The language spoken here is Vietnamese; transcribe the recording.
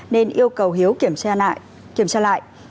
nên yêu cầu hiếu kiểm tra lại